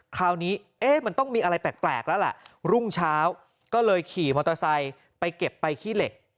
คราวนี้เอ๊ะมันต้องมีอะไรแปลกแล้วล่ะรุ่งเช้าก็เลยขี่มอเตอร์ไซค์ไปเก็บไปขี้เหล็ก